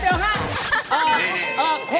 เดี๋ยวค่ะ